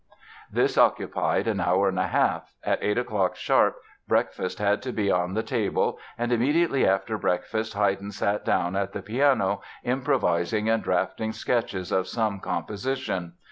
This occupied an hour and a half. At 8 o'clock sharp, breakfast had to be on the table, and immediately after breakfast Haydn sat down at the piano improvising and drafting sketches of some composition.